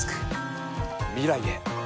未来へ。